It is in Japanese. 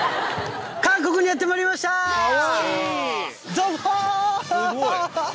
どうも！